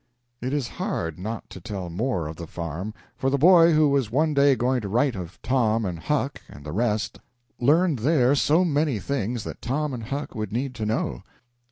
It is hard not to tell more of the farm, for the boy who was one day going to write of Tom and Huck and the rest learned there so many things that Tom and Huck would need to know.